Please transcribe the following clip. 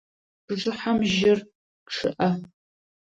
Бжыхьэм жьыр чъыӏэ.